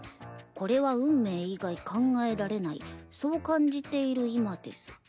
これは運命以外考えられないそう感じている今です。